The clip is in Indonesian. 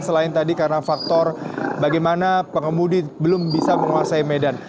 selain tadi karena faktor bagaimana pengemudi belum bisa menguasai medan